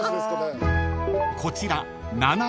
［こちら］